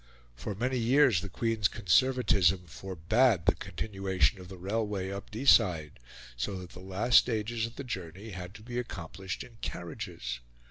For many years the Queen's conservatism forbade the continuation of the railway up Deeside, so that the last stages of the journey had to be accomplished in carriages.